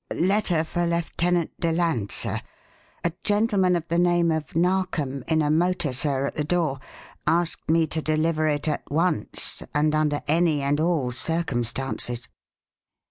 Letter for Lieutenant Deland, sir. A gentleman of the name of Narkom in a motor, sir at the door asked me to deliver it at once and under any and all circumstances."